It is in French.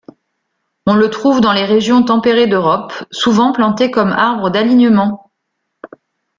On le trouve dans les régions tempérées d'Europe, souvent planté comme arbre d'alignement.